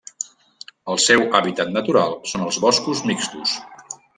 El seu hàbitat natural són els boscos mixtos.